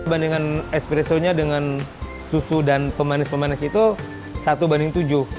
bandingkan espresso nya dengan susu dan pemanis pemanis itu satu banding tujuh